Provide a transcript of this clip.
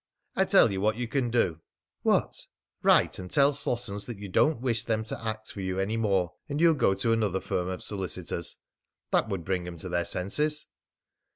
"I tell you what you can do!" "What?" "Write and tell Slossons that you don't wish them to act for you any more, and you'll go to another firm of solicitors. That would bring 'em to their senses."